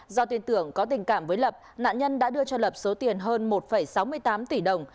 do tin tưởng có tình cảm với lập nạn nhân đã đưa cho lập số tiền hơn một sáu mươi tám tỷ đồng